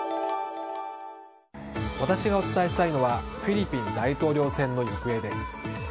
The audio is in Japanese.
私がお伝えしたいのはフィリピン大統領選の行方です。